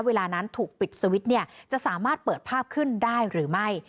เวลานั้นถูกปิดสวิตช์เนี่ยจะสามารถเปิดภาพขึ้นได้หรือไม่